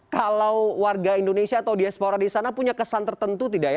kalau warga indonesia atau diaspora di sana punya kesan tertentu tidak ya